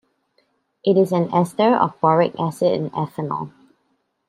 It is an ester of boric acid and ethanol.